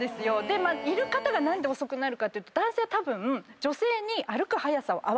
いる方が何で遅くなるかっていうと男性はたぶん。